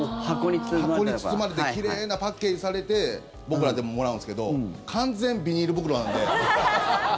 箱に包まれて奇麗なパッケージされて僕らってもらうんですけど完全ビニール袋なので。